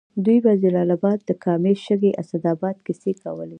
دوی به د جلال اباد د کامې، شګۍ، اسداباد کیسې کولې.